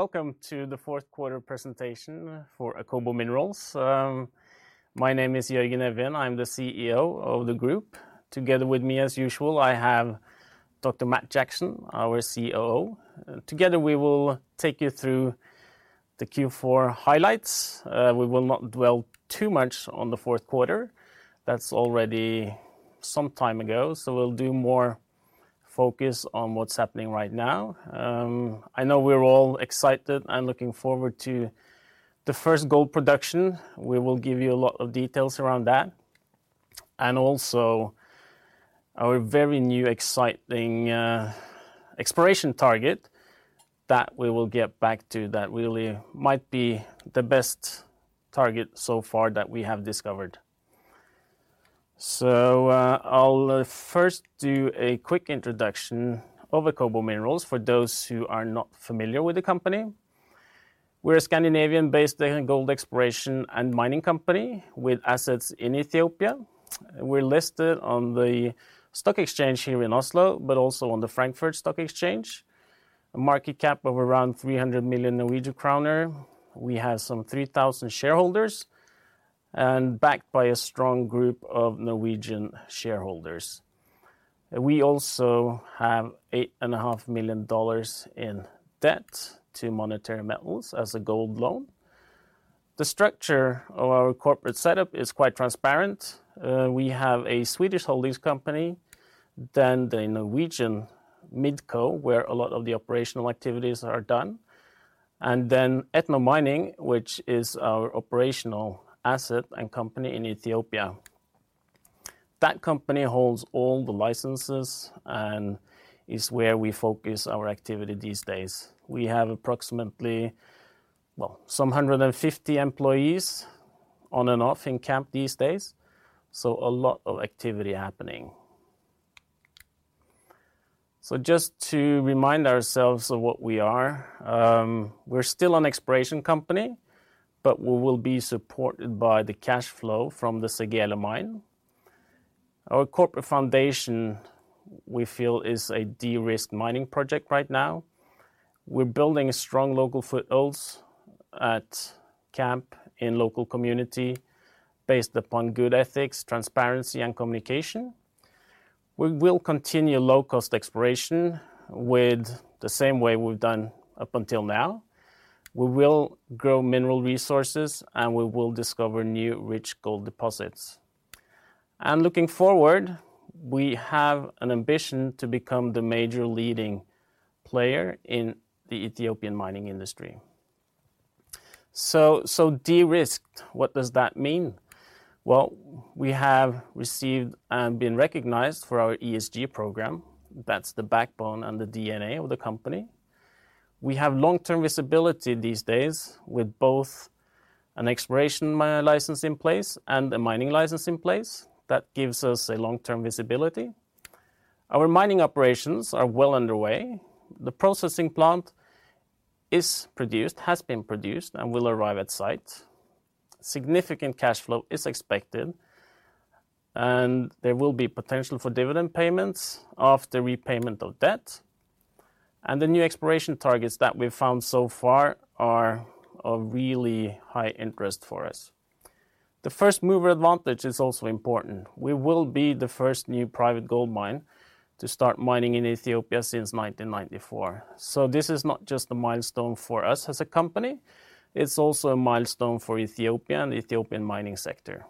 Welcome to the fourth quarter presentation for Akobo Minerals. My name is Jørgen Evjen. I'm the CEO of the group. Together with me, as usual, I have Dr. Matt Jackson, our COO. Together, we will take you through the Q4 highlights. We will not dwell too much on the fourth quarter. That's already some time ago, so we'll do more focus on what's happening right now. I know we're all excited and looking forward to the first gold production. We will give you a lot of details around that, and also our very new exciting exploration target that we will get back to. That really might be the best target so far that we have discovered. I'll first do a quick introduction of Akobo Minerals for those who are not familiar with the company. We're a Scandinavian-based gold exploration and mining company with assets in Ethiopia. We're listed on the stock exchange here in Oslo, but also on the Frankfurt Stock Exchange. A market cap of around 300 million Norwegian kroner. We have some 3,000 shareholders and backed by a strong group of Norwegian shareholders. We also have $8.5 million in debt to Monetary Metals as a gold loan. The structure of our corporate setup is quite transparent. We have a Swedish holdings company, then the Norwegian MidCo, where a lot of the operational activities are done, and then Etno Mining, which is our operational asset and company in Ethiopia. That company holds all the licenses and is where we focus our activity these days. We have approximately, well, some 150 employees on and off in camp these days, so a lot of activity happening. Just to remind ourselves of what we are, we're still an exploration company, but we will be supported by the cash flow from the Segele mine. Our corporate foundation, we feel is a de-risked mining project right now. We're building strong local footholds at camp in local community based upon good ethics, transparency and communication. We will continue low cost exploration with the same way we've done up until now. We will grow mineral resources, and we will discover new rich gold deposits. Looking forward, we have an ambition to become the major leading player in the Ethiopian mining industry. De-risked, what does that mean? We have received and been recognized for our ESG program. That's the backbone and the DNA of the company. We have long-term visibility these days with both an exploration license in place and a mining license in place. That gives us a long-term visibility. Our mining operations are well underway. The processing plant has been produced and will arrive at site. Significant cash flow is expected, and there will be potential for dividend payments after repayment of debt. The new exploration targets that we've found so far are of really high interest for us. The first mover advantage is also important. We will be the first new private gold mine to start mining in Ethiopia since 1994. This is not just a milestone for us as a company, it's also a milestone for Ethiopia and Ethiopian mining sector.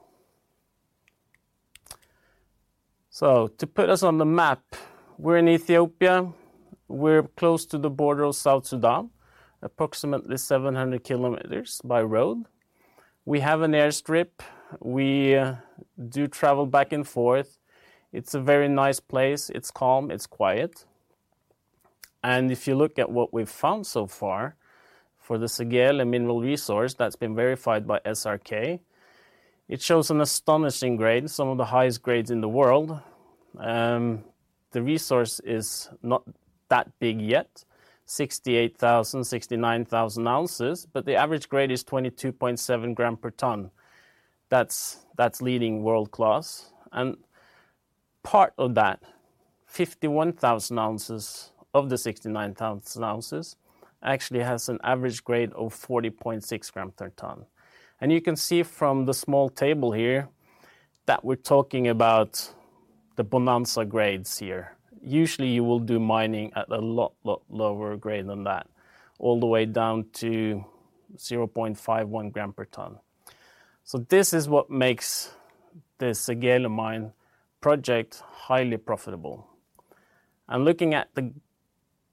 To put us on the map, we're in Ethiopia. We're close to the border of South Sudan, approximately 700 kilometers by road. We have an airstrip. We do travel back and forth. It's a very nice place. It's calm, it's quiet. If you look at what we've found so far for the Segele mineral resource that's been verified by SRK, it shows an astonishing grade, some of the highest grades in the world. The resource is not that big yet, 68,000, 69,000 ounces, but the average grade is 22.7 gram per ton. That's leading world-class. Part of that, 51,000 ounces of the 69,000 ounces actually has an average grade of 40.6 gram per ton. You can see from the small table here that we're talking about the bonanza grades here. Usually, you will do mining at a lot lower grade than that, all the way down to 0.51 gram per ton. This is what makes the Segele Gold project highly profitable. Looking at the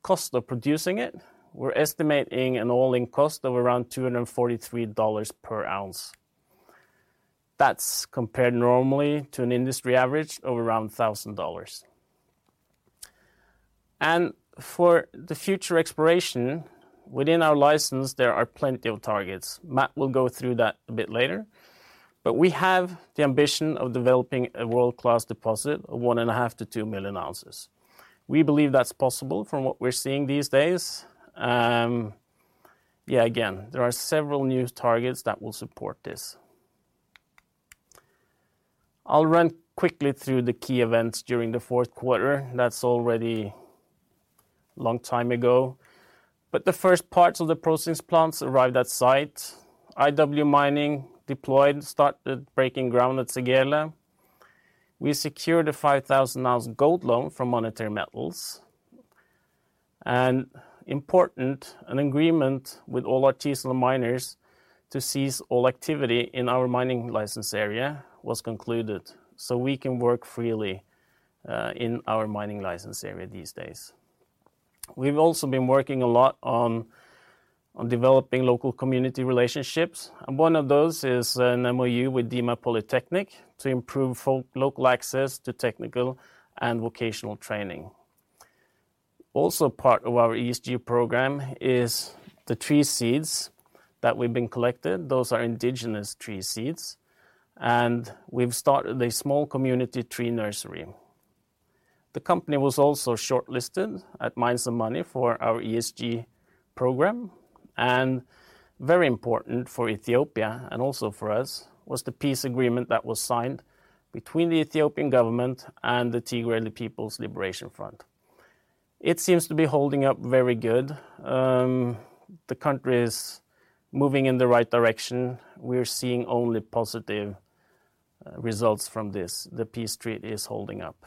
cost of producing it, we're estimating an all-in cost of around $243 per ounce. That's compared normally to an industry average of around $1,000. For the future exploration within our license, there are plenty of targets. Matt will go through that a bit later. We have the ambition of developing a world-class deposit of 1.5 million-2 million ounces. We believe that's possible from what we're seeing these days. Yeah, again, there are several new targets that will support this. I'll run quickly through the key events during the fourth quarter. That's already long time ago. The first parts of the processing plants arrived at site. IW Mining deployed, started breaking ground at Segele. We secured a 5,000 ounce gold loan from Monetary Metals. Important, an agreement with all artisanal miners to cease all activity in our mining license area was concluded, so we can work freely in our mining license area these days. We've also been working a lot on developing local community relationships, and one of those is an MOU with Dima Polytechnic to improve local access to technical and vocational training. Part of our ESG program is the tree seeds that we've been collecting. Those are indigenous tree seeds, and we've started a small community tree nursery. The company was also shortlisted at Mines and Money for our ESG program, and very important for Ethiopia and also for us, was the peace agreement that was signed between the Ethiopian government and the Tigray People's Liberation Front. It seems to be holding up very good. The country is moving in the right direction. We're seeing only positive results from this. The peace treaty is holding up.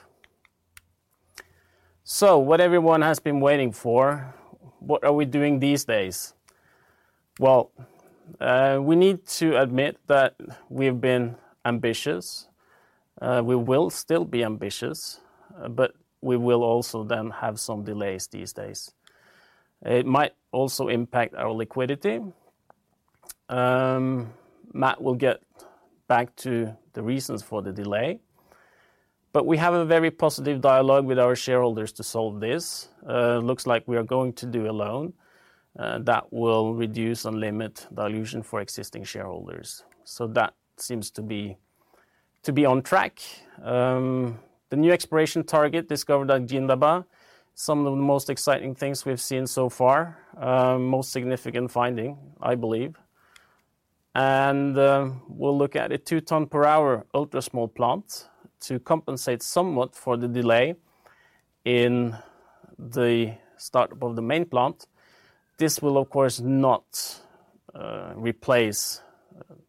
What everyone has been waiting for, what are we doing these days? Well, we need to admit that we've been ambitious. We will still be ambitious, but we will also then have some delays these days. It might also impact our liquidity. Matt will get back to the reasons for the delay, but we have a very positive dialogue with our shareholders to solve this. Looks like we are going to do a loan, that will reduce and limit dilution for existing shareholders. That seems to be on track. The new exploration target discovered at Indaba, some of the most exciting things we've seen so far, most significant finding, I believe. We'll look at a 2 ton per hour ultra-small plant to compensate somewhat for the delay in the startup of the main plant. This will, of course, not replace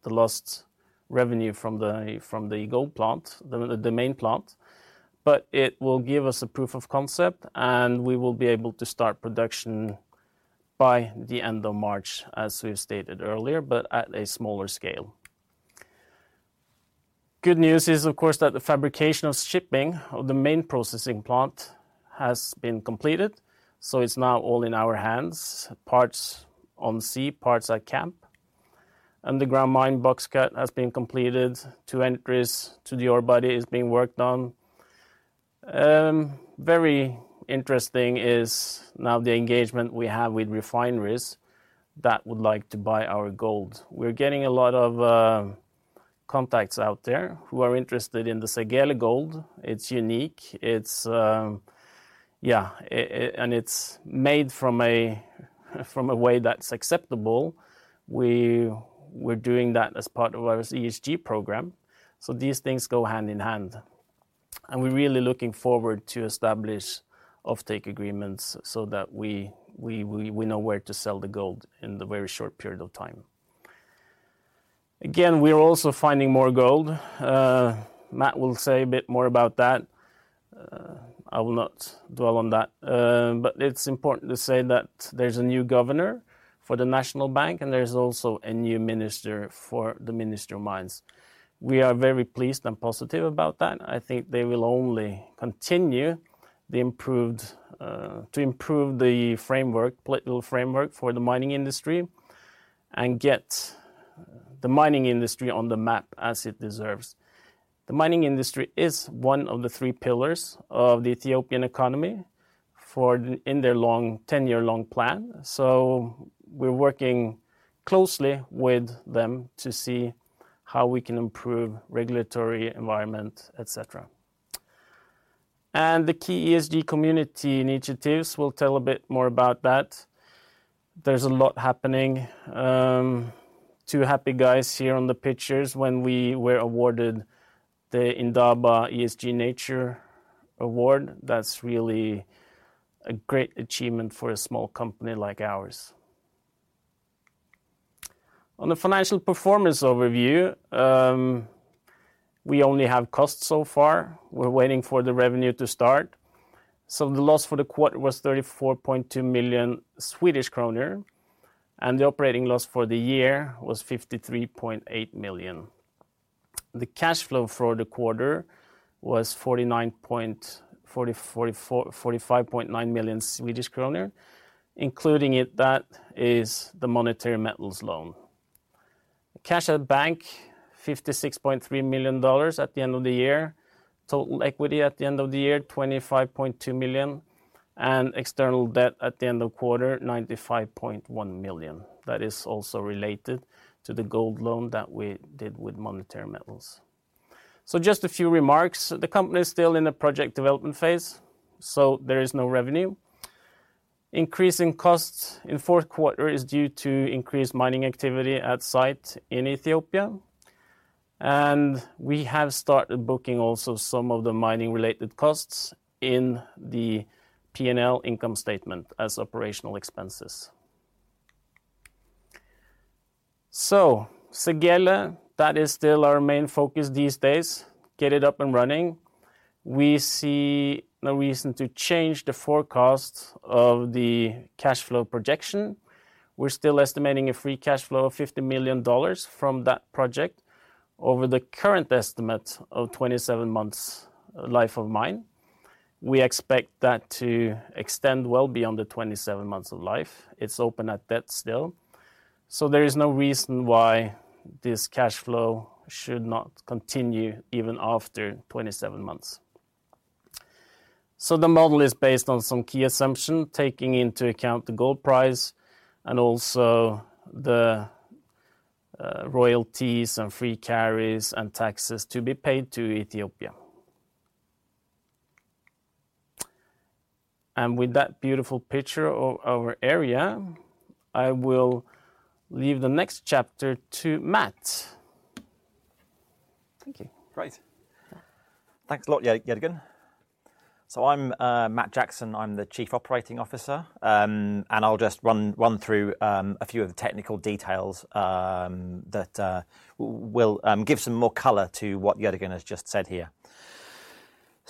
the lost revenue from the gold plant, the main plant, but it will give us a proof of concept, and we will be able to start production by the end of March, as we've stated earlier, but at a smaller scale. Good news is, of course, that the fabrication of shipping of the main processing plant has been completed, so it's now all in our hands, parts on sea, parts at camp. Underground mine box cut has been completed. Two entries to the ore body is being worked on. Very interesting is now the engagement we have with refineries that would like to buy our gold. We're getting a lot of contacts out there who are interested in the Segele gold. It's unique. It's, yeah, and it's made from a way that's acceptable. We're doing that as part of our ESG program, so these things go hand in hand. We're really looking forward to establish offtake agreements so that we know where to sell the gold in the very short period of time. We're also finding more gold. Matt will say a bit more about that. I will not dwell on that. It's important to say that there's a new governor for the National Bank of Ethiopia, and there's also a new minister for the Ministry of Mines and Petroleum. We are very pleased and positive about that. I think they will only continue the improved, to improve the framework, political framework for the mining industry and get the mining industry on the map as it deserves. The mining industry is one of the three pillars of the Ethiopian economy for in their long 10-year long plan. We're working closely with them to see how we can improve regulatory environment, et cetera. The key ESG community initiatives, we'll tell a bit more about that. There's a lot happening. Two happy guys here on the pictures when we were awarded the Indaba ESG Nature Award. That's really a great achievement for a small company like ours. On the financial performance overview, we only have costs so far. We're waiting for the revenue to start. The loss for the quarter was 34.2 million Swedish kronor, and the operating loss for the year was 53.8 million. The cash flow for the quarter was 45.9 million Swedish kronor, including it, that is the Monetary Metals loan. Cash at bank, $56.3 million at the end of the year. Total equity at the end of the year, $25.2 million. External debt at the end of quarter, $95.1 million. That is also related to the gold loan that we did with Monetary Metals. Just a few remarks. The company is still in the project development phase, so there is no revenue. Increase in costs in the fourth quarter is due to increased mining activity at site in Ethiopia. We have started booking also some of the mining related costs in the P&L income statement as operational expenses. Segele, that is still our main focus these days. Get it up and running. We see no reason to change the forecast of the cash flow projection. We're still estimating a free cash flow of $50 million from that project over the current estimate of 27 months life of mine. We expect that to extend well beyond the 27 months of life. It's open at that still. There is no reason why this cash flow should not continue even after 27 months. The model is based on some key assumption, taking into account the gold price and also the royalties and free carries and taxes to be paid to Ethiopia. With that beautiful picture of our area, I will leave the next chapter to Matt. Thank you. Great. Thanks a lot, Jørgen. I'm Matt Jackson. I'm the Chief Operating Officer. And I'll just run through a few of the technical details that will give some more color to what Jørgen has just said here.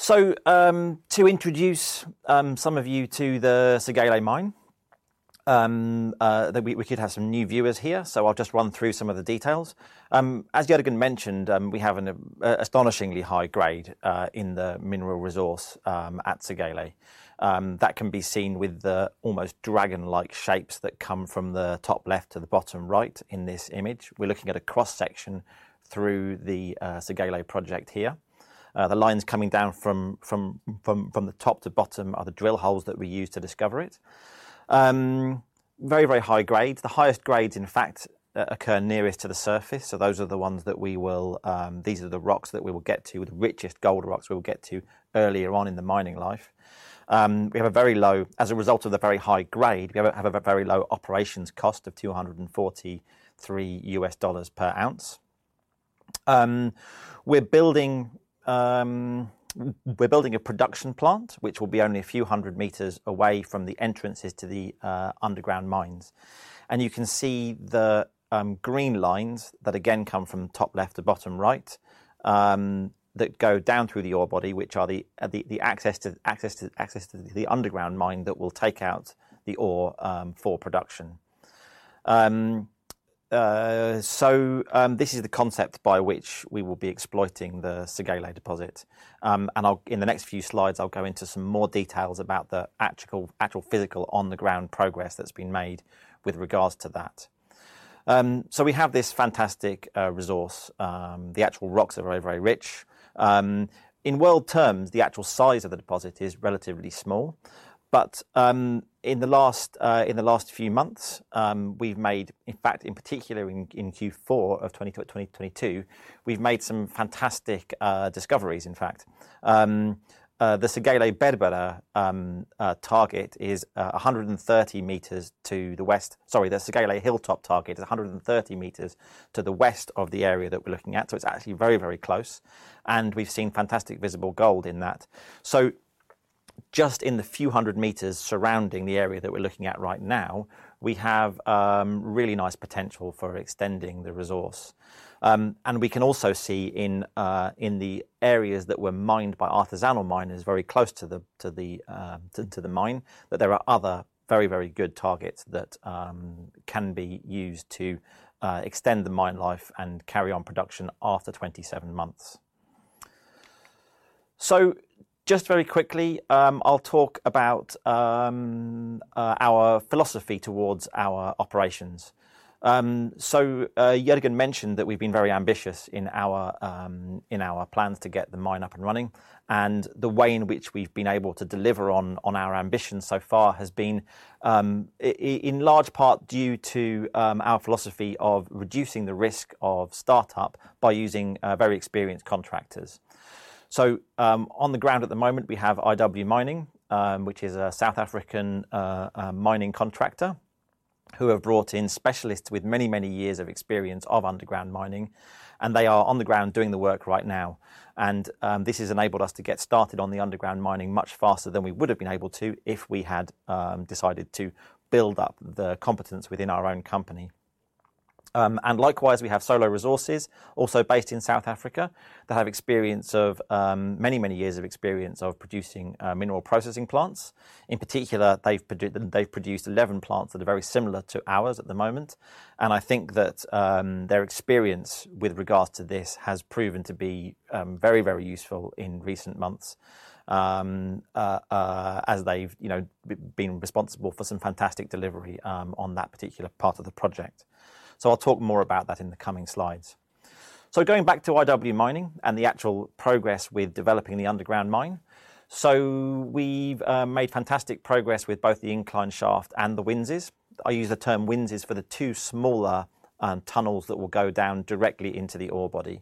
To introduce some of you to the Segele Mine that we could have some new viewers here. I'll just run through some of the details. As Jørgen mentioned, we have an astonishingly high grade in the Mineral Resource at Segele. That can be seen with the almost dragon-like shapes that come from the top left to the bottom right in this image. We're looking at a cross-section through the Segele project here. The lines coming down from the top to bottom are the drill holes that we use to discover it. Very high grades. The highest grades, in fact, occur nearest to the surface. Those are the ones that we will get to, the richest gold rocks we will get to earlier on in the mining life. We have a very low as a result of the very high grade, we have a very low operations cost of $243 per ounce. We're building a production plant, which will be only a few hundred meters away from the entrances to the underground mines. You can see the green lines that again come from the top left to bottom right, that go down through the ore body, which are the access to the underground mine that will take out the ore for production. This is the concept by which we will be exploiting the Segele deposit. I'll in the next few slides, I'll go into some more details about the actual physical on the ground progress that's been made with regards to that. We have this fantastic resource. The actual rocks are very, very rich. In world terms, the actual size of the deposit is relatively small. In the last few months, we've made, in fact, in particular in Q4 of 2022, we've made some fantastic discoveries, in fact. The Segele Berbera target is 130 meters to the west. Sorry, the Segele hilltop target is 130 meters to the west of the area that we're looking at. It's actually very, very close. We've seen fantastic visible gold in that. Just in the few hundred meters surrounding the area that we're looking at right now, we have really nice potential for extending the resource. We can also see in the areas that were mined by artisanal miners very close to the mine, that there are other very, very good targets that can be used to extend the mine life and carry on production after 27 months. Just very quickly, I'll talk about our philosophy towards our operations. Jørgen mentioned that we've been very ambitious in our plans to get the mine up and running, and the way in which we've been able to deliver on our ambitions so far has been in large part due to our philosophy of reducing the risk of startup by using very experienced contractors. On the ground at the moment, we have IW Mining, which is a South African mining contractor, who have brought in specialists with many, many years of experience of underground mining, and they are on the ground doing the work right now. This has enabled us to get started on the underground mining much faster than we would have been able to if we had decided to build up the competence within our own company. Likewise, we have Solo Resources, also based in South Africa, that have experience of many, many years of experience of producing mineral processing plants. In particular, they've produced 11 plants that are very similar to ours at the moment. I think that their experience with regards to this has proven to be very, very useful in recent months, as they've, you know, been responsible for some fantastic delivery on that particular part of the project. I'll talk more about that in the coming slides. Going back to IW Mining and the actual progress with developing the underground mine. We've made fantastic progress with both the incline shaft and the winzes. I use the term winzes for the two smaller tunnels that will go down directly into the ore body.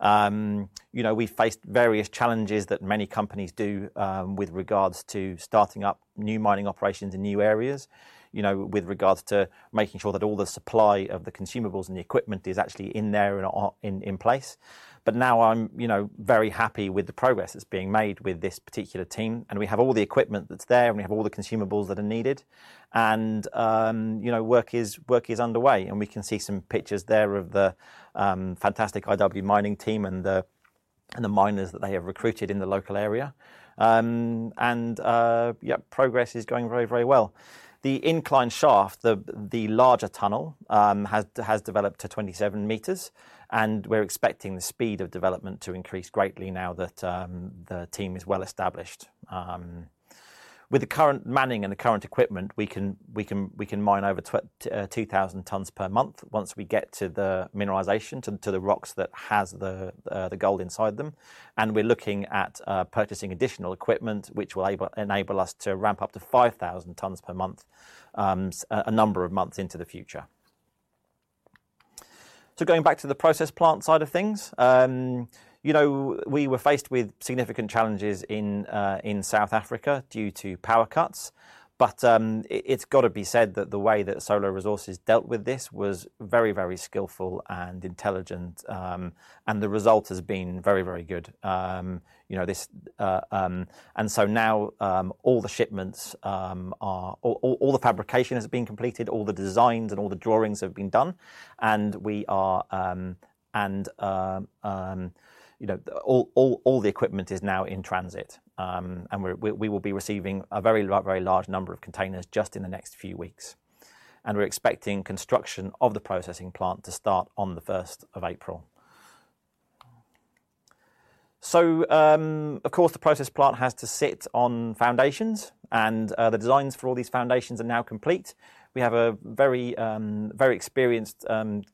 You know, we faced various challenges that many companies do, with regards to starting up new mining operations in new areas, you know, with regards to making sure that all the supply of the consumables and the equipment is actually in there and are in place. Now I'm, you know, very happy with the progress that's being made with this particular team, and we have all the equipment that's there, and we have all the consumables that are needed. You know, work is underway, and we can see some pictures there of the fantastic IW Mining team and the miners that they have recruited in the local area. Yeah, progress is going very, very well. The incline shaft, the larger tunnel, has developed to 27 meters, and we're expecting the speed of development to increase greatly now that the team is well established. With the current manning and the current equipment, we can mine over 2,000 tons per month once we get to the mineralization, to the rocks that has the gold inside them. We're looking at purchasing additional equipment which will enable us to ramp up to 5,000 tons per month a number of months into the future. Going back to the process plant side of things. You know, we were faced with significant challenges in South Africa due to power cuts. It's gotta be said that the way that Solo Resources dealt with this was very, very skillful and intelligent. The result has been very, very good. You know, this. Now, all the shipments. All the fabrication has been completed, all the designs and all the drawings have been done. You know, all the equipment is now in transit. We will be receiving a very large number of containers just in the next few weeks. We're expecting construction of the processing plant to start on the first of April. Of course, the process plant has to sit on foundations. The designs for all these foundations are now complete. We have a very, very experienced,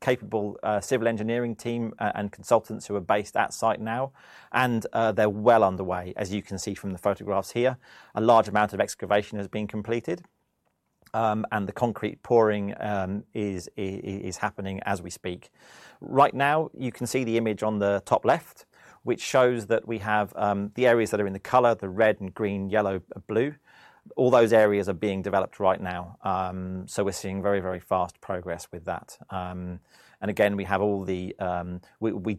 capable civil engineering team and consultants who are based at site now. They're well underway, as you can see from the photographs here. A large amount of excavation has been completed, and the concrete pouring is happening as we speak. Right now, you can see the image on the top left, which shows that we have the areas that are in the color, the red and green, yellow and blue. All those areas are being developed right now. We're seeing very, very fast progress with that. Again, we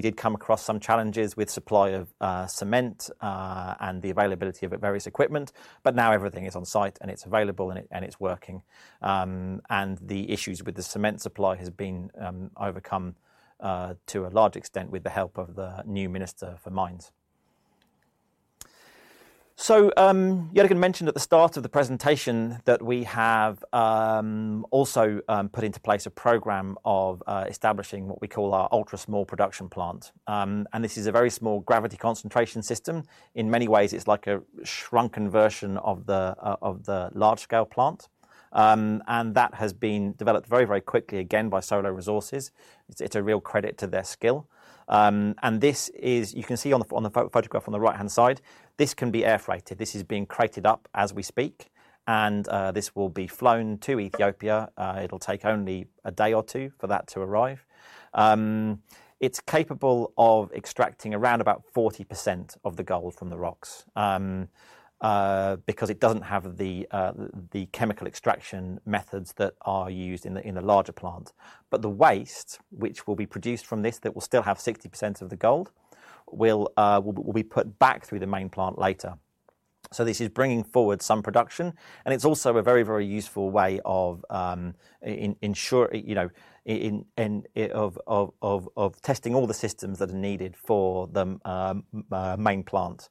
did come across some challenges with supply of cement and the availability of various equipment. Now everything is on site and it's available and it's working. The issues with the cement supply has been overcome to a large extent with the help of the new Minister for Mines. Jørgen mentioned at the start of the presentation that we have also put into place a program of establishing what we call our ultra-small production plant. This is a very small gravity concentration system. In many ways, it's like a shrunken version of the large-scale plant. That has been developed very, very quickly, again, by Solo Resources. It's a real credit to their skill. This is, you can see on the photograph on the right-hand side, this can be air freighted. This is being crated up as we speak, this will be flown to Ethiopia. It'll take only a day or two for that to arrive. It's capable of extracting around about 40% of the gold from the rocks, because it doesn't have the chemical extraction methods that are used in the larger plant. The waste which will be produced from this that will still have 60% of the gold will be put back through the main plant later. This is bringing forward some production, and it's also a very, very useful way of ensure, you know, of testing all the systems that are needed for the main plant.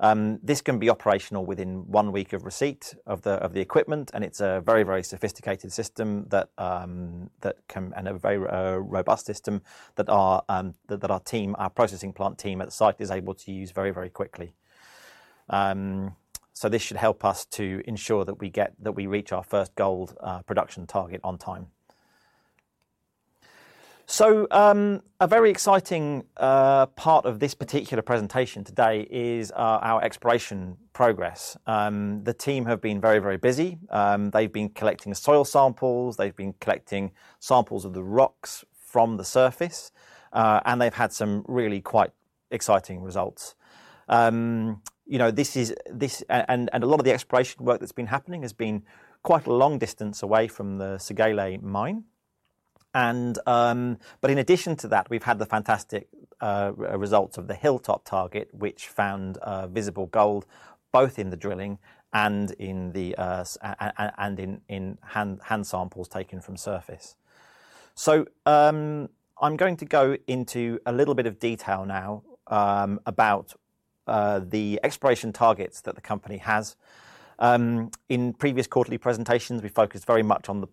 This can be operational within one week of receipt of the equipment, and it's a very, very sophisticated system that can, and a very robust system that our team, our processing plant team at the site is able to use very, very quickly. This should help us to ensure that we reach our first gold production target on time. A very exciting part of this particular presentation today is our exploration progress. The team have been very, very busy. They've been collecting soil samples. They've been collecting samples of the rocks from the surface, and they've had some really quite exciting results. You know, this is... A lot of the exploration work that's been happening has been quite a long distance away from the Segele mine. In addition to that, we've had the fantastic results of the Segele hilltop, which found visible gold both in the drilling and in hand samples taken from surface. I'm going to go into a little bit of detail now about the exploration targets that the company has. In previous quarterly presentations, we focused very much on the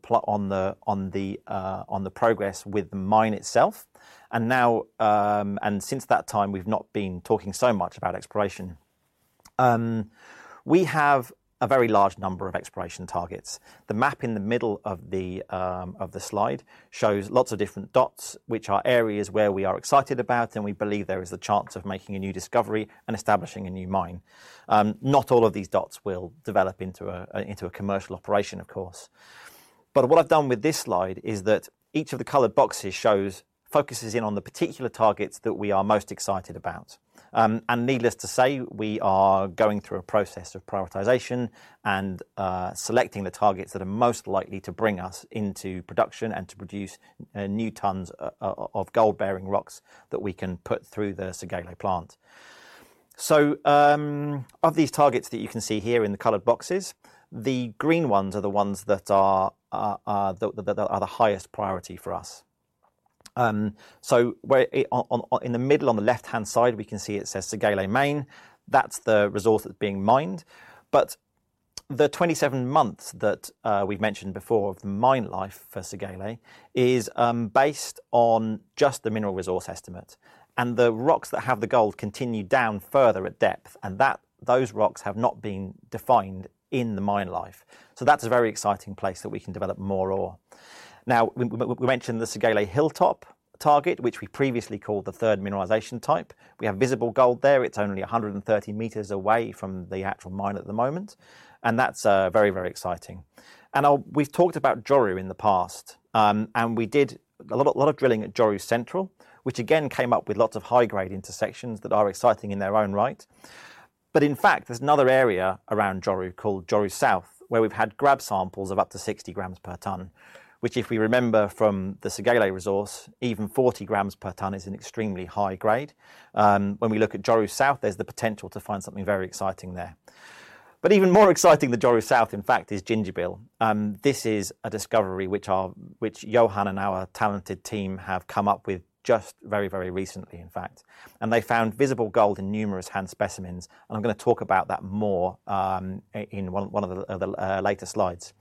progress with the mine itself, and now, and since that time, we've not been talking so much about exploration. We have a very large number of exploration targets. The map in the middle of the of the slide shows lots of different dots, which are areas where we are excited about and we believe there is a chance of making a new discovery and establishing a new mine. Not all of these dots will develop into a into a commercial operation, of course. What I've done with this slide is that each of the colored boxes shows, focuses in on the particular targets that we are most excited about. Needless to say, we are going through a process of prioritization and selecting the targets that are most likely to bring us into production and to produce new tons of gold-bearing rocks that we can put through the Segele plant. Of these targets that you can see here in the colored boxes, the green ones are that are the highest priority for us. Where in the middle, on the left-hand side, we can see it says Segele Main. That's the resource that's being mined. The 27 months that we've mentioned before of mine life for Segele is based on just the Mineral Resource Estimate. The rocks that have the gold continue down further at depth, and those rocks have not been defined in the mine life. That's a very exciting place that we can develop more ore. Now, we mentioned the Segele hilltop target, which we previously called the third mineralisation type. We have visible gold there. It's only 130 meters away from the actual mine at the moment, that's very, very exciting. We've talked about Joru in the past, we did a lot of drilling at Joru Central, which again came up with lots of high-grade intersections that are exciting in their own right. In fact, there's another area around Joru called Joru South, where we've had grab samples of up to 60 grams per ton, which if we remember from the Segele resource, even 40 grams per ton is an extremely high grade. When we look at Joru South, there's the potential to find something very exciting there. Even more exciting than Joru South, in fact, is Gindibab. This is a discovery which Johan and our talented team have come up with just very, very recently, in fact. They found visible gold in numerous hand specimens, I'm gonna talk about that more in one of the later slides.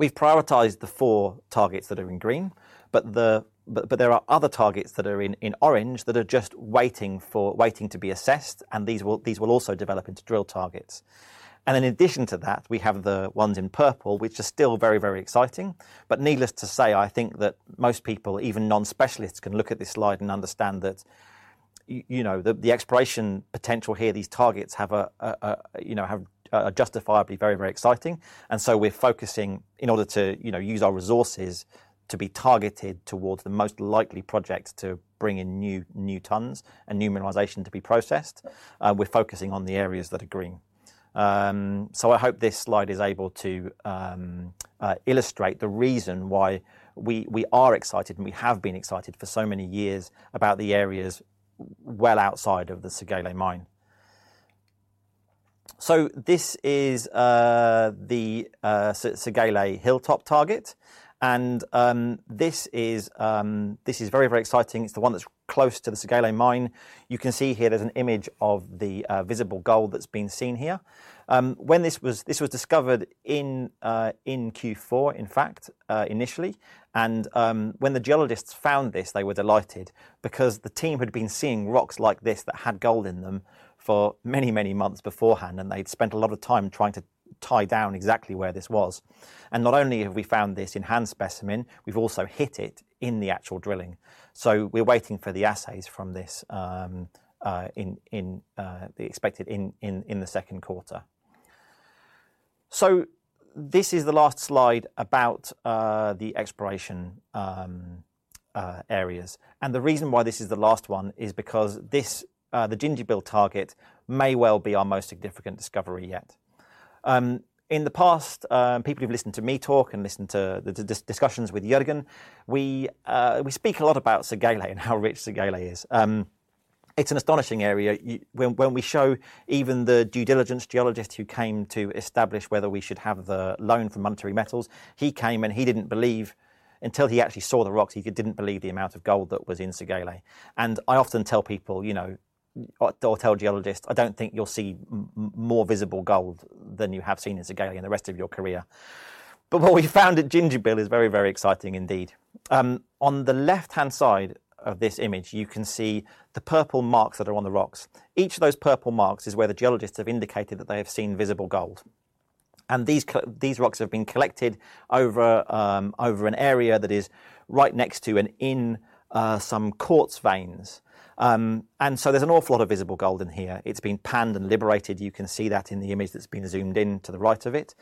We've prioritized the four targets that are in green, but there are other targets that are in orange that are just waiting to be assessed, these will also develop into drill targets. In addition to that, we have the ones in purple, which are still very, very exciting. Needless to say, I think that most people, even non-specialists, can look at this slide and understand that you know, the exploration potential here, these targets, you know, are justifiably very, very exciting. We're focusing in order to, you know, use our resources to be targeted towards the most likely projects to bring in new tons and new mineralization to be processed, we're focusing on the areas that are green. I hope this slide is able to illustrate the reason why we are excited and we have been excited for so many years about the areas well outside of the Segele mine. This is the Segele hilltop target, and this is very, very exciting. It's the one that's close to the Segele mine. You can see here there's an image of the visible gold that's been seen here. When this was discovered in Q4, in fact, initially. When the geologists found this, they were delighted because the team had been seeing rocks like this that had gold in them for many, many months beforehand, and they'd spent a lot of time trying to tie down exactly where this was. Not only have we found this in hand specimen, we've also hit it in the actual drilling. We're waiting for the assays from this in the expected second quarter. This is the last slide about the exploration areas. The reason why this is the last one is because this the Gindibab target may well be our most significant discovery yet. In the past, people who've listened to me talk and listened to the discussions with Jørgen, we speak a lot about Segele and how rich Segele is. It's an astonishing area. When we show even the due diligence geologist who came to establish whether we should have the loan from Monetary Metals, he came, and he didn't believe until he actually saw the rocks, he didn't believe the amount of gold that was in Segele. I often tell people, you know, or tell geologists, "I don't think you'll see more visible gold than you have seen in Segele in the rest of your career." What we found at Gindibab is very, very exciting indeed. On the left-hand side of this image, you can see the purple marks that are on the rocks. Each of those purple marks is where the geologists have indicated that they have seen visible gold. These rocks have been collected over an area that is right next to and in some quartz veins. There's an awful lot of visible gold in here. It's been panned and liberated. You can see that in the image that's been zoomed in to the right of it.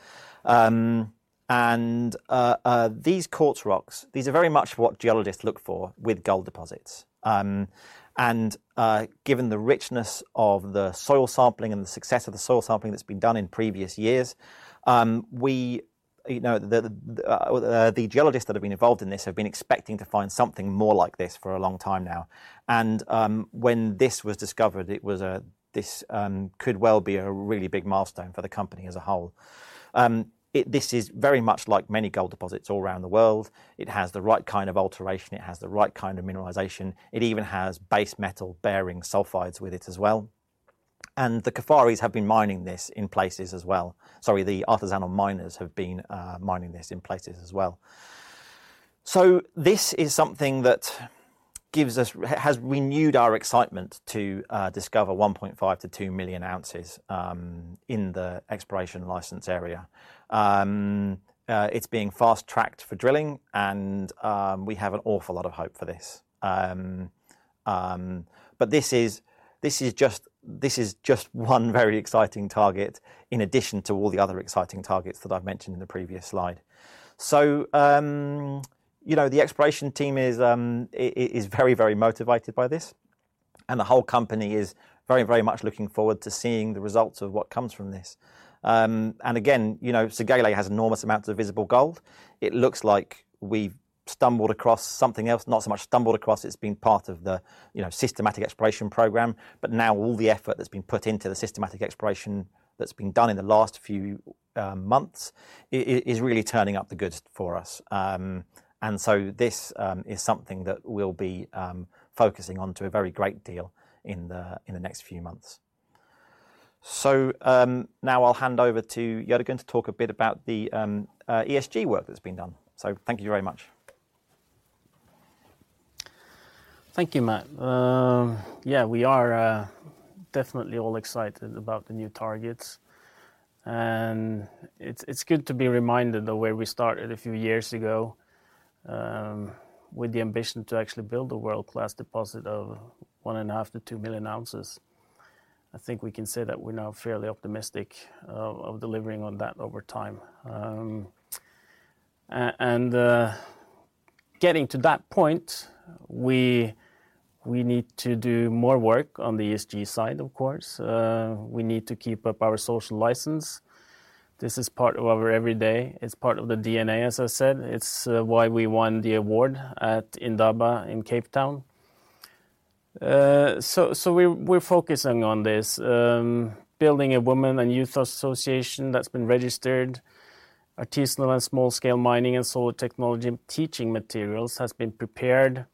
These quartz rocks, these are very much what geologists look for with gold deposits. Given the richness of the soil sampling and the success of the soil sampling that's been done in previous years, we, you know, the geologists that have been involved in this have been expecting to find something more like this for a long time now. When this was discovered, this could well be a really big milestone for the company as a whole. This is very much like many gold deposits all around the world. It has the right kind of alteration. It has the right kind of mineralization. It even has base metal-bearing sulfides with it as well. The Qafaris have been mining this in places as well. Sorry, the artisanal miners have been mining this in places as well. This is something that gives us has renewed our excitement to discover 1.5 million-2 million ounces in the exploration license area. It's being fast-tracked for drilling, we have an awful lot of hope for this. This is just one very exciting target in addition to all the other exciting targets that I've mentioned in the previous slide. You know, the exploration team is very, very motivated by this. The whole company is very, very much looking forward to seeing the results of what comes from this. Again, you know, Segele has enormous amounts of visible gold. It looks like we've stumbled across something else, not so much stumbled across, it's been part of the, you know, systematic exploration program. Now all the effort that's been put into the systematic exploration that's been done in the last few months is really turning up the goods for us. This is something that we'll be focusing on to a very great deal in the next few months. Now I'll hand over to Jørgen to talk a bit about the ESG work that's been done. Thank you very much. Thank you, Matt. Yeah, we are definitely all excited about the new targets. It's good to be reminded of where we started a few years ago with the ambition to actually build a world-class deposit of 1.5 million-2 million ounces. I think we can say that we're now fairly optimistic of delivering on that over time. Getting to that point, we need to do more work on the ESG side, of course. We need to keep up our social license. This is part of our every day. It's part of the DNA, as I said. It's why we won the award at Indaba in Cape Town. We're focusing on this. Building a women and youth association that's been registered. Artisanal and small scale mining and solar technology teaching materials has been prepared.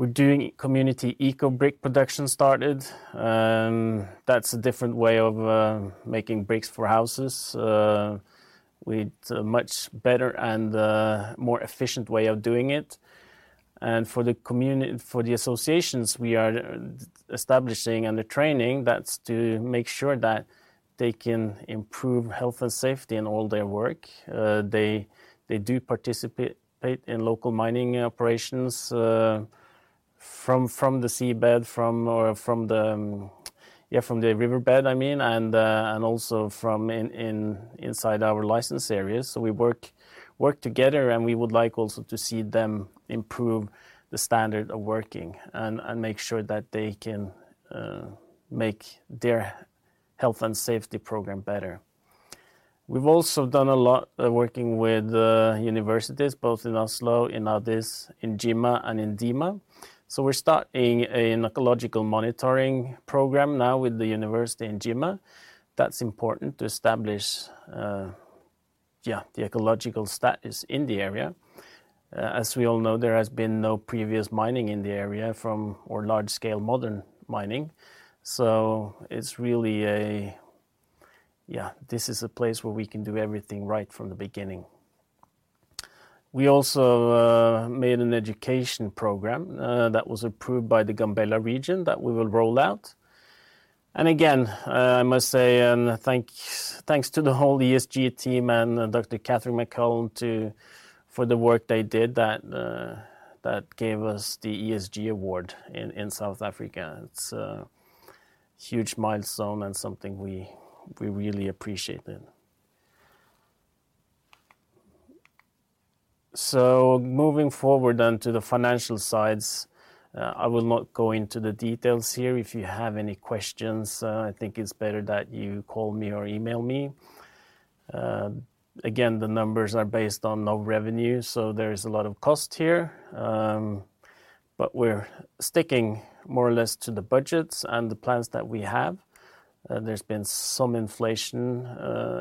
We're doing community eco-brick production started. That's a different way of making bricks for houses, with a much better and more efficient way of doing it. For the associations we are establishing and the training, that's to make sure that they can improve health and safety in all their work. They do participate in local mining operations, from the seabed, from the riverbed, I mean. Also from inside our license areas. We work together, and we would like also to see them improve the standard of working and make sure that they can make their health and safety program better. We've also done a lot of working with universities, both in Oslo, in Addis, in Jimma and in Dima. We're starting an ecological monitoring program now with the university in Jimma. That's important to establish, the ecological status in the area. As we all know, there has been no previous mining in the area or large scale modern mining. It's really a... This is a place where we can do everything right from the beginning. We also made an education program that was approved by the Gambella region that we will roll out. Again, I must say, thanks to the whole ESG team and Dr. Cathryn MacCallum for the work they did that gave us the ESG award in South Africa. It's a huge milestone and something we really appreciate it. Moving forward then to the financial sides, I will not go into the details here. If you have any questions, I think it's better that you call me or email me. Again, the numbers are based on no revenue, so there is a lot of cost here. We're sticking more or less to the budgets and the plans that we have. There's been some inflation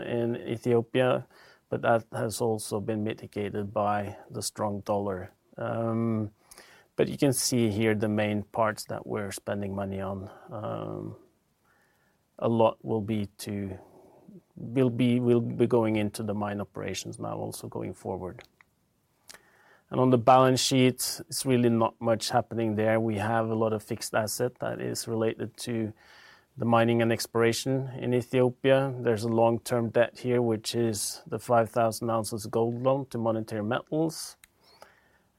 in Ethiopia, but that has also been mitigated by the strong dollar. You can see here the main parts that we're spending money on. A lot will be going into the mine operations now also going forward. On the balance sheet, it's really not much happening there. We have a lot of fixed asset that is related to the mining and exploration in Ethiopia. There's a long-term debt here, which is the 5,000 ounces gold loan to Monetary Metals,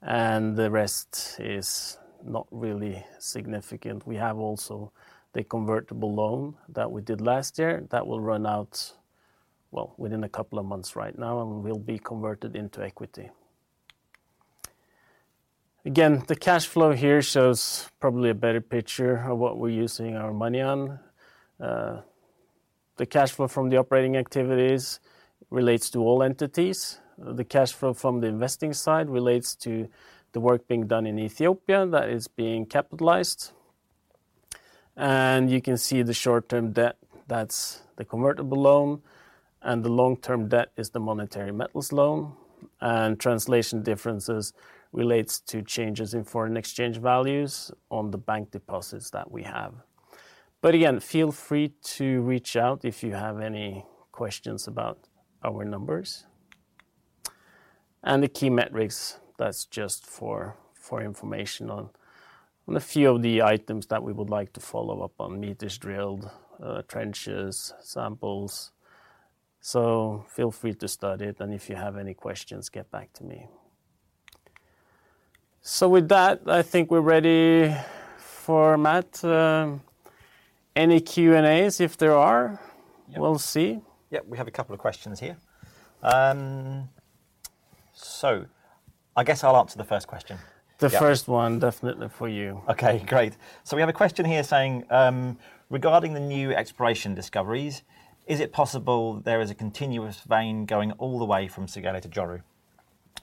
and the rest is not really significant. We have also the convertible loan that we did last year. That will run out, well, within a couple of months right now and will be converted into equity. Again, the cash flow here shows probably a better picture of what we're using our money on. The cash flow from the operating activities relates to all entities. The cash flow from the investing side relates to the work being done in Ethiopia that is being capitalized. You can see the short-term debt, that's the convertible loan, and the long-term debt is the Monetary Metals loan. Translation differences relates to changes in foreign exchange values on the bank deposits that we have. Again, feel free to reach out if you have any questions about our numbers. The key metrics, that's just for information on a few of the items that we would like to follow up on, meters drilled, trenches, samples. Feel free to study it, and if you have any questions, get back to me. With that, I think we're ready for Matt, any Q&As if there are. Yeah. We'll see. Yeah, we have a couple of questions here. I guess I'll answer the first question. Yeah. The first one definitely for you. Okay, great. We have a question here saying, "Regarding the new exploration discoveries, is it possible there is a continuous vein going all the way from Segele to Joru?"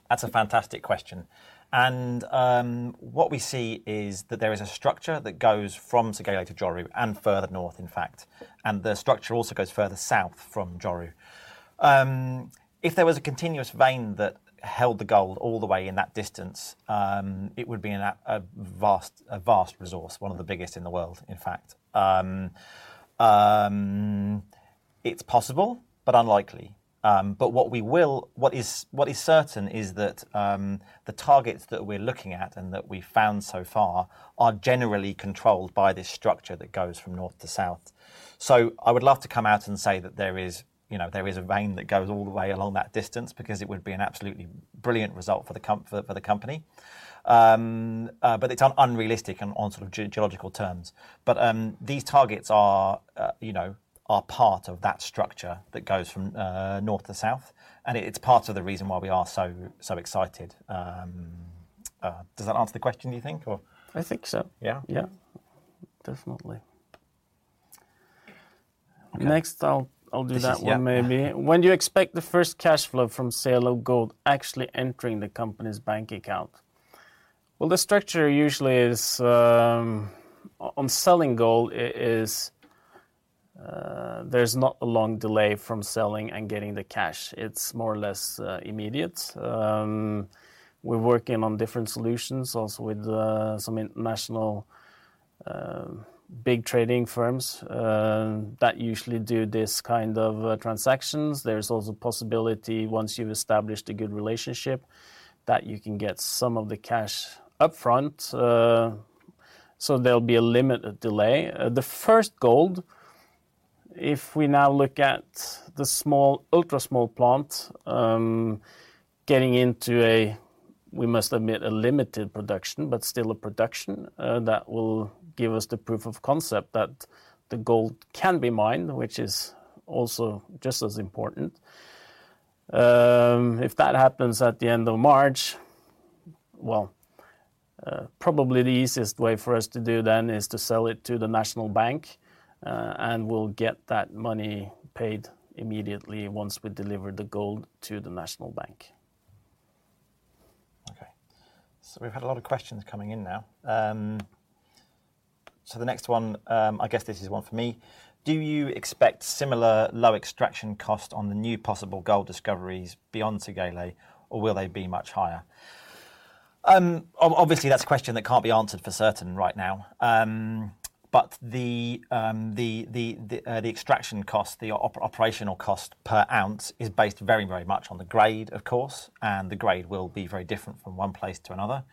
That's a fantastic question. What we see is that there is a structure that goes from Segele to Joru and further north, in fact, and the structure also goes further south from Joru. If there was a continuous vein that held the gold all the way in that distance, it would be a vast resource, one of the biggest in the world, in fact. It's possible but unlikely. What is certain is that the targets that we're looking at and that we've found so far are generally controlled by this structure that goes from north to south. I would love to come out and say that there is, you know, there is a vein that goes all the way along that distance because it would be an absolutely brilliant result for the company. It's unrealistic on sort of geological terms. These targets are, you know, are part of that structure that goes from north to south. It's part of the reason why we are so excited. Does that answer the question, do you think, or? I think so. Yeah? Yeah. Definitely. I'll do that one maybe. This is. Yeah. When do you expect the first cash flow from Segele Gold actually entering the company's bank account?" Well, the structure usually is, on selling gold is, there's not a long delay from selling and getting the cash. It's more or less immediate. We're working on different solutions also with some international big trading firms that usually do this kind of transactions. There's also possibility once you've established a good relationship that you can get some of the cash upfront. So there'll be a limited delay. The first gold, if we now look at the small, ultra-small production plant, getting into a, we must admit, a limited production, but still a production that will give us the proof of concept that the gold can be mined, which is also just as important. If that happens at the end of March, probably the easiest way for us to do then is to sell it to the National Bank, and we'll get that money paid immediately once we deliver the gold to the National Bank. Okay. We've had a lot of questions coming in now. The next one, I guess this is one for me. "Do you expect similar low extraction cost on the new possible gold discoveries beyond Segele, or will they be much higher?" Obviously, that's a question that can't be answered for certain right now. The extraction cost, the operational cost per ounce is based very, very much on the grade, of course, and the grade will be very different from one place to another.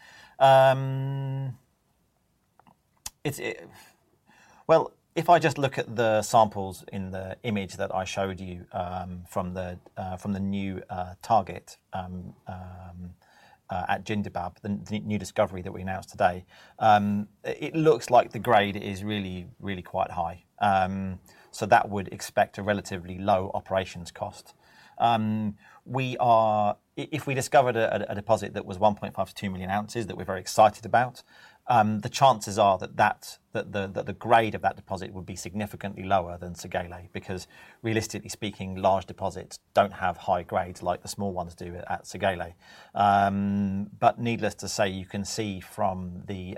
Well, if I just look at the samples in the image that I showed you, from the new target at Gindibab, the new discovery that we announced today, it looks like the grade is really, really quite high. That would expect a relatively low operations cost. We are If we discovered a deposit that was 1.5 million-2 million ounces that we're very excited about, the chances are that the grade of that deposit would be significantly lower than Segele because realistically speaking, large deposits don't have high grades like the small ones do at Segele. Needless to say, you can see from the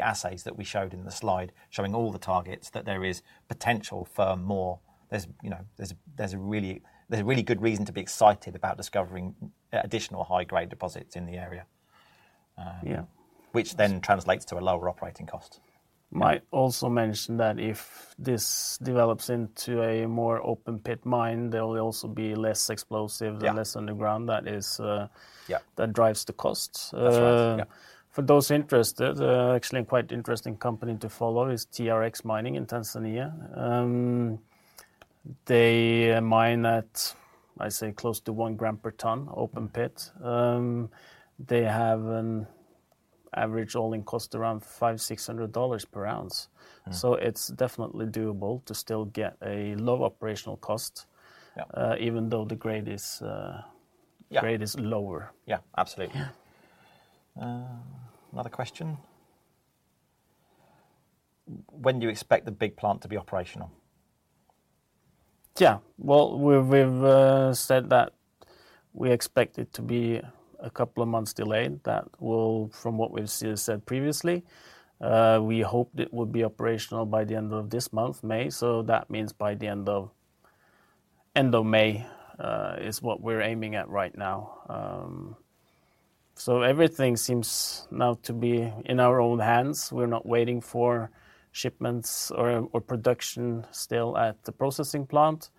assays that we showed in the slide showing all the targets that there is potential for more. There's, you know, there's a really good reason to be excited about discovering additional high-grade deposits in the area. Yeah ... which then translates to a lower operating cost. Might also mention that if this develops into a more open-pit mine, there will also be less explosive- and less underground that is that drives the costs. That's right. Yeah. For those interested, actually quite interesting company to follow is TRX Mining in Tanzania. They mine at, I say, close to 1 gram per ton open pit. They have an average all-in cost around $500-$600 per ounce. It's definitely doable to still get a low operational cost even though the grade is grade is lower. Yeah. Absolutely. Yeah. Another question. "When do you expect the big plant to be operational? Well, we've said that we expect it to be a couple months delayed. From what we've said previously, we hoped it would be operational by the end of this month, May. That means by the end of May is what we're aiming at right now. Everything seems now to be in our own hands. We're not waiting for shipments or production still at the processing plant.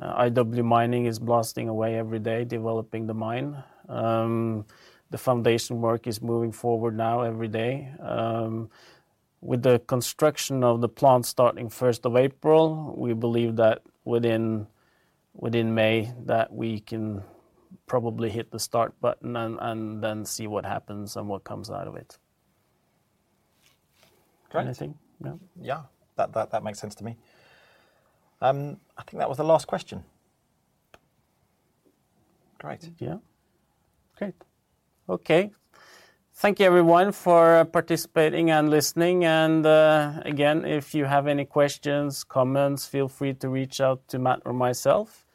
IW Mining is blasting away every day, developing the mine. The foundation work is moving forward now every day. With the construction of the plant starting 1st of April, we believe that within May, that we can probably hit the start button and then see what happens and what comes out of it. Great. Anything? No? Yeah. That makes sense to me. I think that was the last question. Great. Yeah. Great. Okay. Thank you everyone for participating and listening. Again, if you have any questions, comments, feel free to reach out to Matt or myself.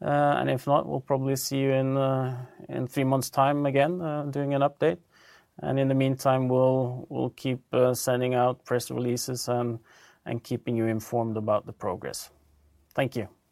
If not, we'll probably see you in three months' time again, doing an update. In the meantime, we'll keep sending out press releases and keeping you informed about the progress. Thank you.